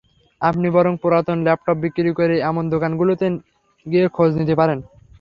আপনি বরং পুরাতন ল্যাপটপ বিক্রি করে—এমন দোকানগুলাতে গিয়ে খোঁজ নিতে পারেন।